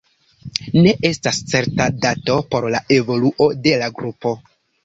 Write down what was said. Ne estas certa dato por la evoluo de la grupo.